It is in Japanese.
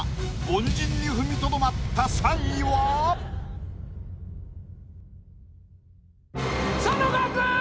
凡人に踏みとどまった３位は⁉佐野岳！